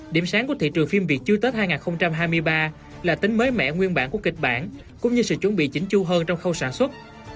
điểm sáng của thị trường phim việt chui tết hai nghìn hai mươi ba là tính mới mẻ nguyên bản của kịch bản cũng như sự chuẩn bị chỉnh chu hơn trong khâu sản xuất